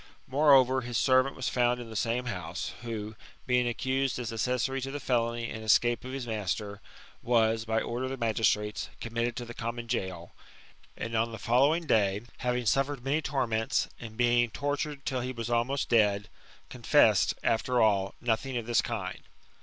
Moreover, his servant was found in the same house, who, being accused as accessary to the felony and escape of his master, was, by order of the magistrates, com mitted to the common gaol, and on the following day, having suffered many torments, and being tortured till he was almost «dead, confessed, after all, nothing of this kind.